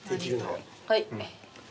はい。